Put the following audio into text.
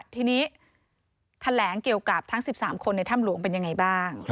ทีนี้แถลงเกี่ยวกับทั้ง๑๓คนในถ้ำหลวงเป็นยังไงบ้าง